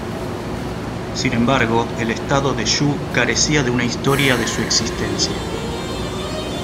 Sin embargo, el estado de Shu carecía de una historia de su existencia.